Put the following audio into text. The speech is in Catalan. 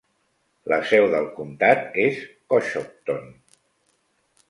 La seu del comtat és Coshocton.